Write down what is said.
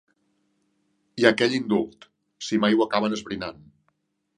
Hi ha aquell indult, si mai ho acaben esbrinant.